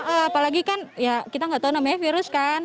apalagi kan ya kita nggak tahu namanya virus kan